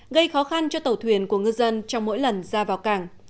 gây khó khăn cho tàu thuyền của ngư dân trong mỗi lần ra vào cảng